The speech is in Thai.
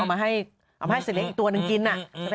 เอามาให้เสียเลี้ยงอีกตัวนึงกิน